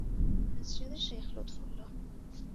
مسجد شیخ لطفالله